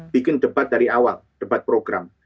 bikin debat dari awal debat program